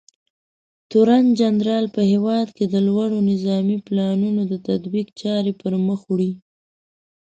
تورنجنرال په هېواد کې د لوړو نظامي پلانونو د تطبیق چارې پرمخ وړي.